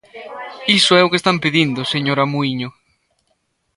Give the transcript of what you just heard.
Iso é o que están pedindo, señora Muíño.